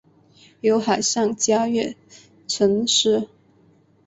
有海上嘉月尘诗。